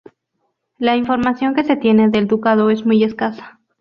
La información que se tiene del Ducado es muy escasa.